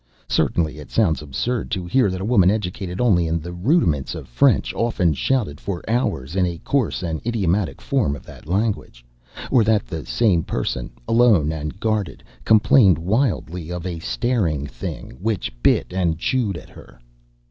Certainly it sounds absurd to hear that a woman educated only in the rudiments of French often shouted for hours in a coarse and idiomatic form of that language, or that the same person, alone and guarded, complained wildly of a staring thing which bit and chewed at her.